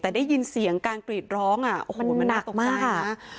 แต่ได้ยินเสียงการกรีดร้องอ่ะโอ้โหมันน่าตกใจนะ